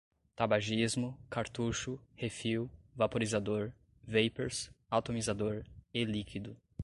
tabagismo, cartucho, refil, vaporizador, vapers, atomizador, e-líquido